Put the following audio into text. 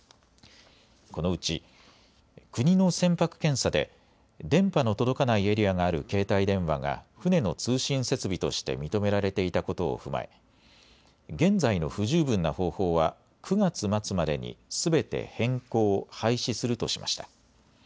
このうち国の船舶検査で電波の届かないエリアがある携帯電話が船の通信設備として認められていたことを踏まえ現在の不十分な方法は９月末までにすべて変更・廃止するとしました。